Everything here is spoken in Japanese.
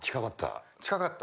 近かった。